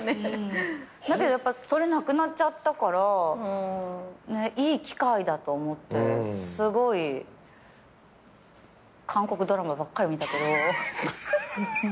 だけどやっぱそれなくなっちゃったからいい機会だと思ってすごい韓国ドラマばっかり見たけど。